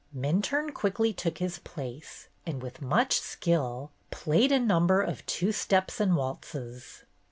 Minturne quickly took his place and, with much skill, played a number of two steps and waltzes.